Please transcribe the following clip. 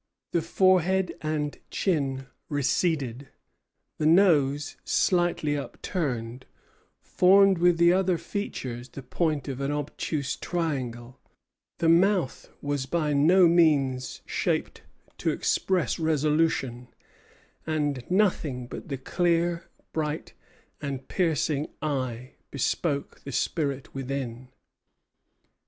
The forehead and chin receded; the nose, slightly upturned, formed with the other features the point of an obtuse triangle; the mouth was by no means shaped to express resolution; and nothing but the clear, bright, and piercing eye bespoke the spirit within.